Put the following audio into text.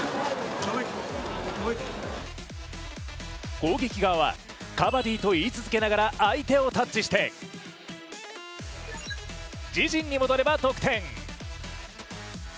攻撃側は、カバディと言い続けながら相手をタッチして自陣に戻れば得点。